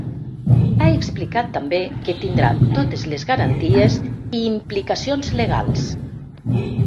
Ha explicat també que tindrà totes les garanties i implicacions legals.